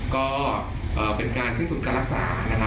ก็เป็นการขึ้นสุดการรักษานาน